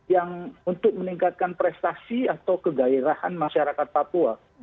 yang untuk meningkatkan prestasi atau kegairahan masyarakat papua